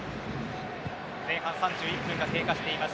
前半３１分が経過しています。